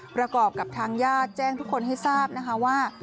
ประกอบกับทางญาติแจ้งทุกคนให้ทราบนะคะว่า